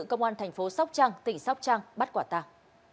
công an thành phố sóc trăng tỉnh sóc trăng bắt quả tàng